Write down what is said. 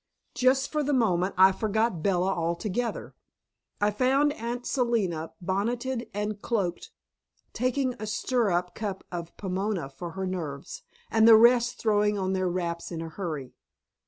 Just for the moment I forgot Bella altogether. I found Aunt Selina bonneted and cloaked, taking a stirrup cup of Pomona for her nerves, and the rest throwing on their wraps in a hurry.